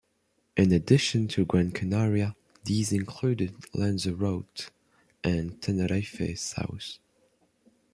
In addition to Gran Canaria these include Lanzarote and Tenerife South.